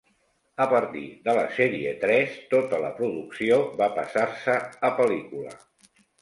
A partir de la sèrie tres, tota la producció va passar-se a pel·lícula.